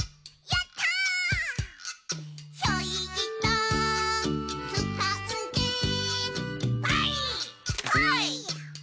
やったー！」